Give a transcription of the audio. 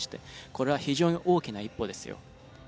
これは非常に大きな一歩ですよ。